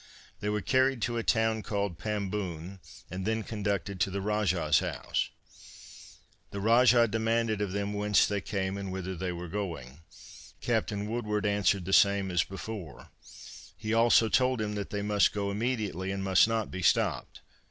They were carried to a town called Pamboon and then conducted to the Rajah's house. The Rajah demanded of them whence they came and whither they were going. Captain Woodward answered the same as before; he also told him that they must go immediately, and must not be stopped.